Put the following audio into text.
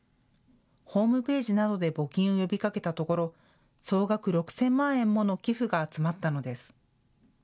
ホームページなどで募金を呼びかけたところ総額６０００万円もの寄付が集まったのです。